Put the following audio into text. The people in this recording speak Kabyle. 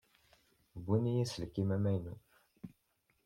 Wwin-iyi aselkim amaynu.